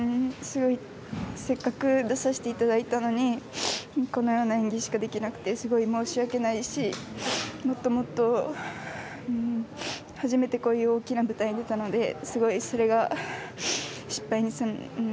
せっかく出させていただいたのにこのような演技しかできなくてすごい申し訳ないし初めて、こういう大きな舞台に出たのですごい、それが失敗に。